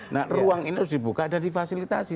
nah ruang ini harus dibuka dan difasilitasi